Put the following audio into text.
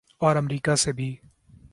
اورامریکہ سے بھی۔